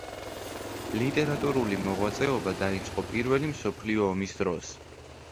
ლიტერატურული მოღვაწეობა დაიწყო პირველი მსოფლიო ომის დროს.